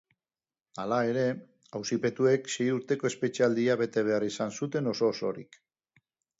Halere, auzipetuek sei urteko espetxealdia bete behar izan zuten oso-osorik.